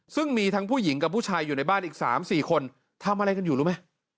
ซึ่งมีทั้งผู้หญิงกับผู้ชายอยู่ในบ้านอีก๓๔คนทำอะไรกันอยู่รู้ไหม